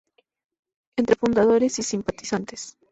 Entre fundadores y simpatizantes.